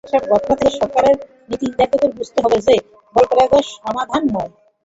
এসব ঘটনা থেকে সরকারের নীতিনির্ধারকদের বুঝতে হবে যে বলপ্রয়োগ সমাধান নয়।